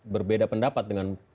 berbeda pendapat dengan